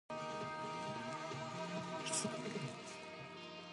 Untuk Sekolah Menengah Atas.